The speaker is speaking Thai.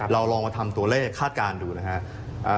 ลองมาทำตัวเลขคาดการณ์ดูนะครับ